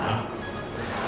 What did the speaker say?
telfon andin pak